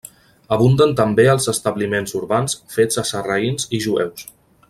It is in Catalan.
Abunden també els establiments urbans fets a sarraïns i jueus.